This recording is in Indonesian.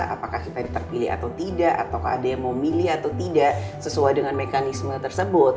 apakah kita ini terpilih atau tidak atau ada yang mau milih atau tidak sesuai dengan mekanisme tersebut